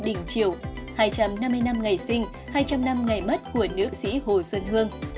đỉnh triều hai trăm năm mươi năm ngày sinh hai trăm linh năm ngày mất của nữ sĩ hồ xuân hương